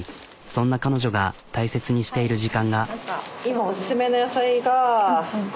そんな彼女が大切にしている時間が。